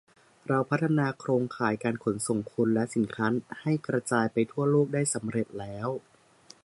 เราพัฒนาโครงข่ายการขนส่งคนและสินค้าให้กระจายไปทั่วโลกได้สำเร็จแล้ว